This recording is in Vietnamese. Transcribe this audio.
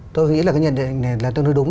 tôi nghĩ là cái nhận định này là tương đối đúng